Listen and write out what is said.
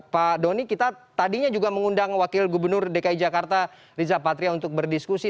pak doni kita tadinya juga mengundang wakil gubernur dki jakarta riza patria untuk berdiskusi